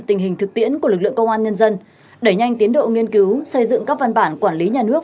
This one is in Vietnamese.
tình hình thực tiễn của lực lượng công an nhân dân đẩy nhanh tiến độ nghiên cứu xây dựng các văn bản quản lý nhà nước